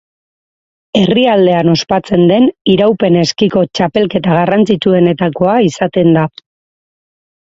Herrialdean ospatzen den iraupen eskiko txapelketa garrantzitsuenetakoa izaten da.